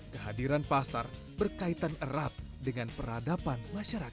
kehadiran pasar berkaitan erat dengan peradaban masyarakat